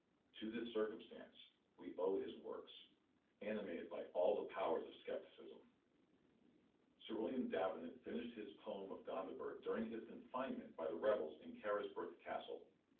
To this circumstance we owe his works, animated by all the powers of scepticism. Sir William Davenant finished his poem of Gondibert during his confinement by the rebels in Carisbrook Castle.